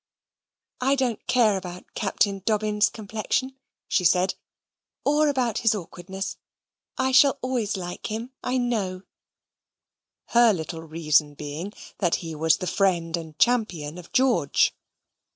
"I don't care about Captain Dobbin's complexion," she said, "or about his awkwardness. I shall always like him, I know," her little reason being, that he was the friend and champion of George.